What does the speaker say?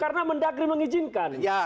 karena mendagri mengizinkan